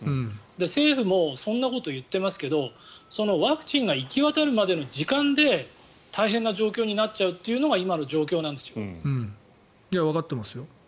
政府もそんなことを言ってますけどワクチンが行き渡るまでの時間で大変な状況になっちゃうというのがわかってますよ。